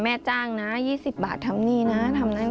แม่จ้างนะ๒๐บาททำนี่นะทำนั่น